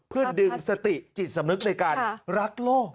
เพื่อดึงสติจิตสำนึกในการรักโลก